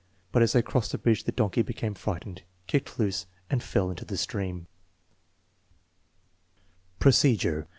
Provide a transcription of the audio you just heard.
But as they crossed the bridge the donkey became frightened, kicked loose and fell into the stream. Procedure.